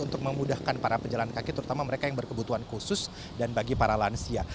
untuk memudahkan para pejalan kaki terutama mereka yang berkebutuhan khusus dan bagi para lansia